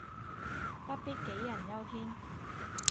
不必杞人憂天